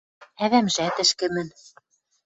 Ӓвӓмжӓт ӹшкӹмӹн